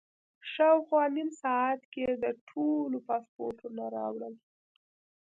شاوخوا نیم ساعت کې یې د ټولو پاسپورټونه راوړل.